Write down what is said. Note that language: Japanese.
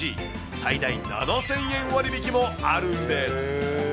最大７０００円割引もあるんです。